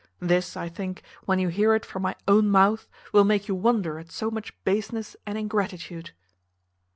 This, I think, when you hear it from my own mouth, will make you wonder at so much baseness and ingratitude."